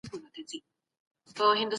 د سياست پر علمي والي ډېرې نيوکې سوې دي.